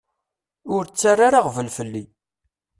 Ur ttara ara aɣbel fell-i.